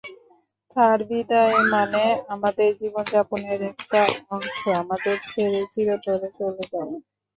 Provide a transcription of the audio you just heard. তার বিদায় মানে আমাদের জীবনযাপনের একটা অংশ আমাদের ছেড়ে চিরতরে চলে যাওয়া।